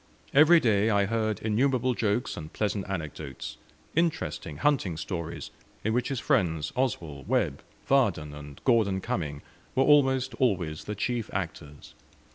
Every day I heard innumerable jokes and pleasant anecdotes; interesting hunting stories, in which his friends Oswell, Webb, Vardon, and Gorden Cumming were almost always the chief actors.